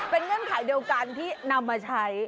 เป็นเงื่อนไขเดียวกันที่นำมาใช้